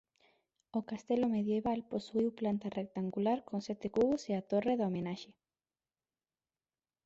O castelo medieval posuíu planta rectangular con sete cubos e a torre da homenaxe.